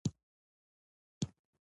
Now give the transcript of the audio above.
زېنک د بدن دفاعي سیستم پیاوړی کوي.